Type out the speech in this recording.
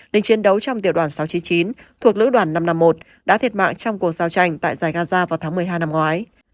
đình chiến đấu trong tiểu đoàn sáu trăm chín mươi chín thuộc lữ đoàn năm trăm năm mươi một đã thiệt mạng trong cuộc giao tranh tại giải gaza vào tháng một mươi hai năm ngoái